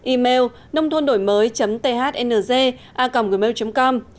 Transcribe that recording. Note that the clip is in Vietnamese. email nôngthondổimới thng a gmail com